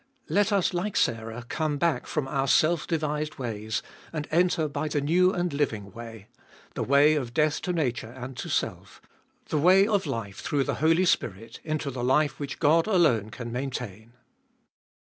Let us, like Sarah, come back from our self devised ways, and enter by the new and living way; the way of death to nature and to self; the way of life through the Holy Spirit, into the life which God alone can maintain.